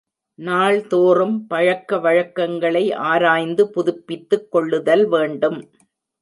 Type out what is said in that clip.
நாள்தோறும் பழக்கவழக்கங்களை ஆராய்ந்து புதுப்பித்துக் கொள்ளுதல் வேண்டும்.